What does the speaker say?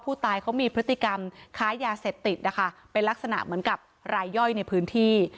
ผู้ตายเขามีพฤติกรรมค้ายาเสพติดนะคะเป็นลักษณะเหมือนกับรายย่อยในพื้นที่